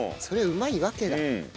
そりゃうまいわけだ。